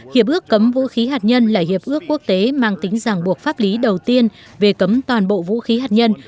hiệp ước cấm vũ khí hạt nhân là hiệp ước quốc tế mang tính giảng buộc pháp lý đầu tiên về cấm toàn bộ vũ khí hạt nhân